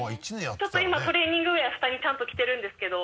ちょっと今トレーニングウエア下にちゃんと着てるんですけど。